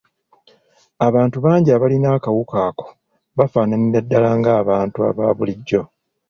Abantu bangi abalina akawuka ako bafaananira ddala ng’abantu aba bulijjo.